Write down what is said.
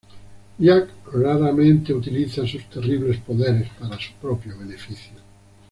Jack raramente utiliza sus terribles poderes para su propio beneficio.